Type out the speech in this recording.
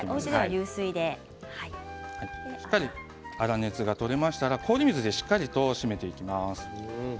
粗熱が取れましたら氷水でしっかりと締めていきます。